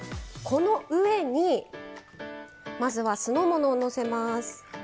この上に酢の物をのせます。